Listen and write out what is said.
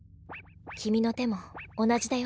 君の手も同じだよ。